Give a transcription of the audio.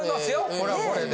これはこれで。